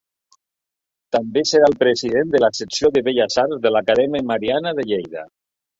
També serà el president de la Secció de Belles Arts de l'Acadèmia Mariana de Lleida.